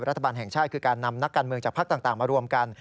รัฐบาลแห่งชาติคือการนำนักการเมืองจากภาคต่างมารวมกัน